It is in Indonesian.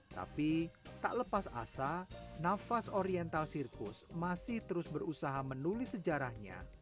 tapi tak lepas asa nafas oriental sirkus masih terus berusaha menulis sejarahnya